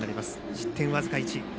失点僅か１。